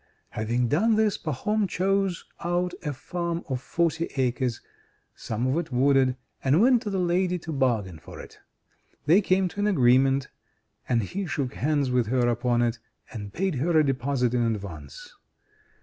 Having done this, Pahom chose out a farm of forty acres, some of it wooded, and went to the lady to bargain for it. They came to an agreement, and he shook hands with her upon it, and paid her a deposit in advance.